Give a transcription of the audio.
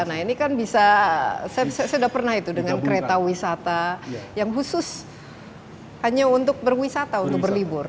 nah ini kan bisa saya sudah pernah itu dengan kereta wisata yang khusus hanya untuk berwisata untuk berlibur